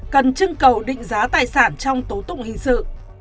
cần trưng cầu định giá tài sản trong tố tụng hình sự